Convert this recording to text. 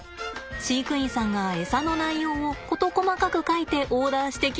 飼育員さんがエサの内容を事細かく書いてオーダーしてきます。